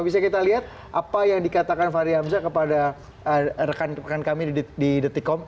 bisa kita lihat apa yang dikatakan fahri hamzah kepada rekan rekan kami di detikkom